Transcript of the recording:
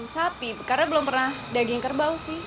sapi karena belum pernah daging kerbau sih